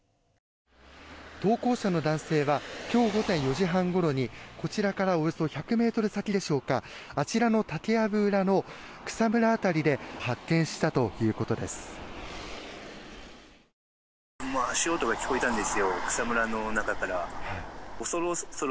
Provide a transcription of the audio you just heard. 投稿者の男性は今日午前４時半ごろにこちらからおよそ１００ｍ先でしょうかあちらの竹やぶ裏の草村辺りで発見したということです。